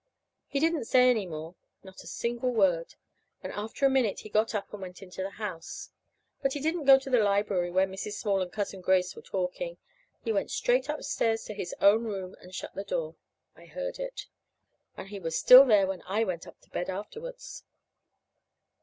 He didn't say any more, not a single word. And after a minute he got up and went into the house. But he didn't go into the library where Mrs. Small and Cousin Grace were talking. He went straight upstairs to his own room and shut the door. I heard it. And he was still there when I went up to bed afterwards.